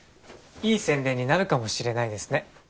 いい宣伝になるかもしれないですね。